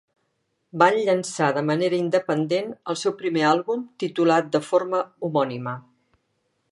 Van llançar de manera independent el seu primer àlbum, titulat de forma homònima.